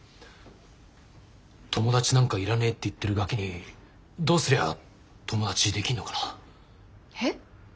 友達なんかいらねえって言ってるガキにどうすりゃ友達できんのかな？